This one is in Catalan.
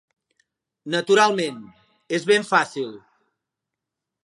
Naturalment, és ben fàcil.